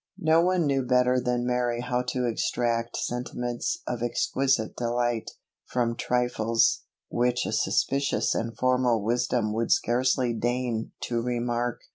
No one knew better than Mary how to extract sentiments of exquisite delight, from trifles, which a suspicious and formal wisdom would scarcely deign to remark.